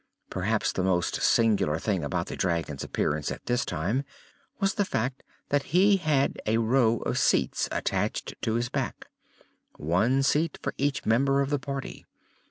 Perhaps the most singular thing about the dragon's appearance at this time was the fact that he had a row of seats attached to his back, one seat for each member of the party.